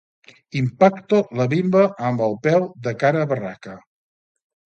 Impacto la bimba amb el peu, de cara a barraca.